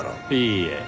いいえ。